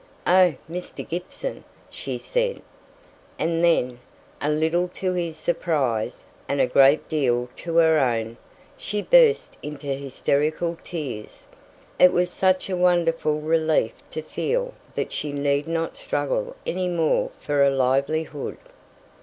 "Oh! Mr. Gibson," she said; and then, a little to his surprise, and a great deal to her own, she burst into hysterical tears: it was such a wonderful relief to feel that she need not struggle any more for a livelihood.